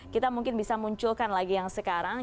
kita mungkin bisa munculkan lagi yang sekarang